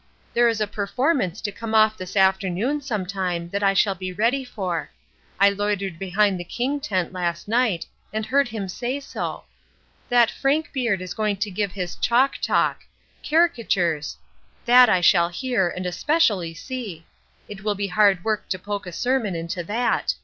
There is a performance to come off this afternoon some time that I shall be ready for. I loitered behind the King tent last night, and heard him say so. That Frank Beard is going to give his chalk talk caricatures: that I shall hear, and especially see. It will be hard work to poke a sermon into that.